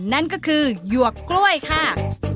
นั่นก็คือหยวกกล้วยค่ะ